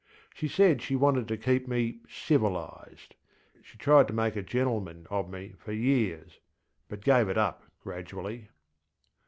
She said she wanted to keep me civilised. She tried to make a gentleman of me for years, but gave it up gradually.